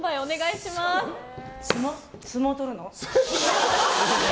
相撲取るの？